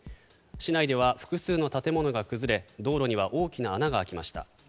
市内では複数の建物が崩れ道路には大きな穴が開きました。